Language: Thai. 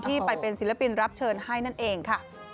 ไปเป็นศิลปินรับเชิญให้นั่นเองค่ะ